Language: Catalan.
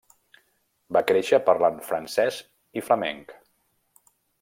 Va créixer parlant francès i flamenc.